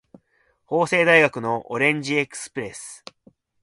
法政大学のオレンジエクスプレス